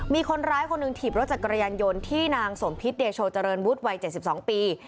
มีคนร้ายคนหนึ่งถีบรถจักรยานยนต์ที่นางสมพิษเดโชเจริญวุฒิวัย๗๒ปี